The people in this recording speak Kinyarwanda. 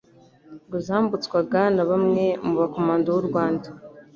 ngo zambutswaga na bamwe mu ba Komando b'u Rwanda